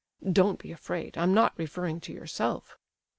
Don't be afraid, I'm not referring to yourself."